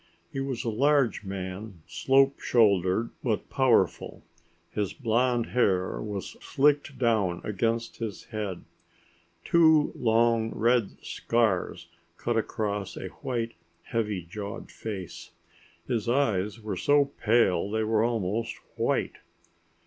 He was a large man, slope shouldered but powerful. His blond hair was slicked down against his head. Two long red scars cut across a white heavy jawed face. His eyes were so pale they were almost white.